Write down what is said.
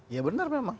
ya benar memang